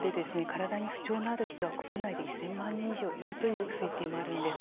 体に不調のある人は国内で１０００万人以上いるという推定もあるんです。